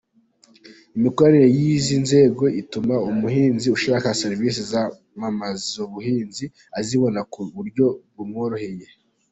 Imikoranire y’izi nzego ituma umuhinzi ushaka serivisi z’iyamamazabuhinzi azibona ku buryo bumworoheye.